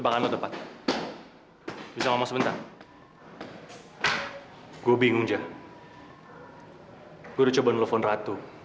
jangan dong gua butuh banget bantuan lo